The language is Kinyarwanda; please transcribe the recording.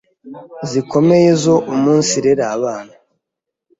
zikomeye zo umunsirera abana